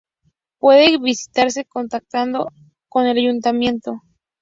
Puede visitarse contactando con el Ayuntamiento.